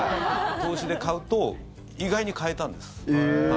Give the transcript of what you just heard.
通しで買うと意外に買えたんです。